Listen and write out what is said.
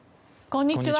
こんにちは。